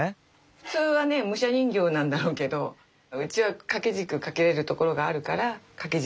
普通はね武者人形なんだろうけどうちは掛け軸掛けれる所があるから掛け軸にしました。